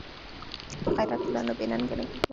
که غیرت ولرو نو بې ننګه نه کیږو.